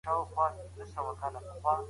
په ښه کورنۍ کي د ماشومانو اخلاق نه خرابول کېږي.